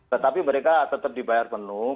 tetapi mereka tetap dibayar penuh